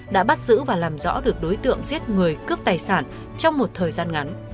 đã bắt giữ và làm rõ được đối tượng giết người cướp tài sản trong một thời gian ngắn